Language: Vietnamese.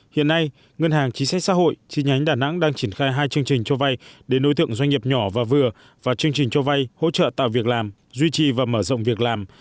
hiện nay ngân hàng chính sách xã hội chi nhánh đà nẵng đang triển khai hai chương trình cho vay đến nối tượng doanh nghiệp nhỏ và vừa và chương trình cho vay hỗ trợ tạo việc làm duy trì và mở rộng việc làm